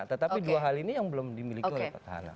tetapi dua hal ini yang belum dimiliki oleh petahana